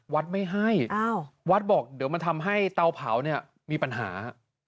วัดไม่ให้วัดบอกเดี๋ยวมันทำให้เตาเผาเนี่ยมีปัญหา